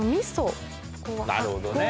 なるほどね。